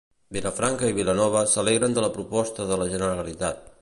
Vilafranca i Vilanova s'alegren de la proposta de la Generalitat.